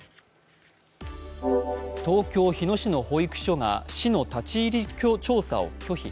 東京・日野市の保育所が市の立ち入り調査を拒否。